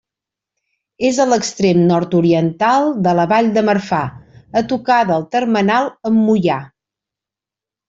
És a l'extrem nord-oriental de la Vall de Marfà, a tocar del termenal amb Moià.